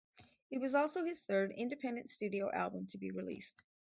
It was also his third independent studio album to be released.